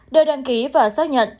để đăng ký và xác nhận